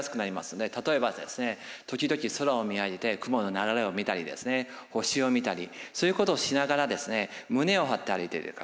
例えば時々空を見上げて雲の流れを見たりですね星を見たりそういうことをしながら胸を張って歩いていただく。